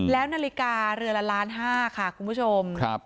แล้วนาฬิกาเรือละล้านห้าค่ะคุณผู้ชม